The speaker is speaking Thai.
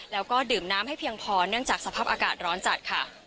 แล้วก็ดื่มน้ำให้เพียงพอเนื่องจากสภาพอากาศร้อนจัดค่ะ